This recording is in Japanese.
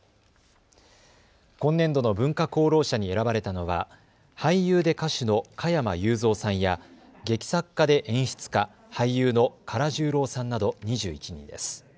今年度の文化功労者に選ばれたのは俳優で歌手の加山雄三さんや劇作家で演出家、俳優の唐十郎さんなど２１人です。